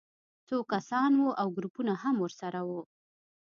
څو کسان وو او ګروپونه هم ورسره وو